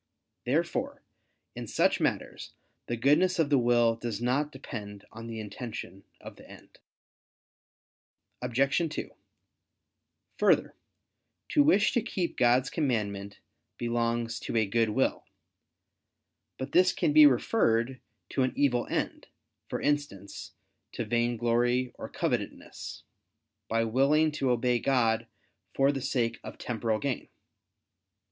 Therefore in such matters the goodness of the will does not depend on the intention of the end. Obj. 2: Further, to wish to keep God's commandment, belongs to a good will. But this can be referred to an evil end, for instance, to vainglory or covetousness, by willing to obey God for the sake of temporal gain.